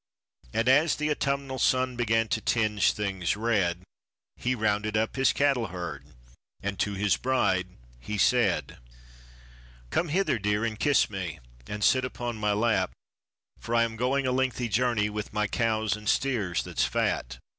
And as the autumnal sun began to tinge things red, He rounded up his cattle herd and to his bride he said: "Come hither, dear, and kiss me and sit upon my lap, For I am going a lengthy journey with my cows and steers that's fat.